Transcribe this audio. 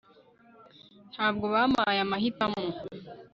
ntabwo bampaye amahitamo